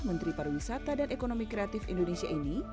menteri pariwisata dan ekonomi kreatif indonesia ini